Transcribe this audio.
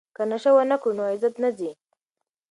که نشه ونه کړو نو عزت نه ځي.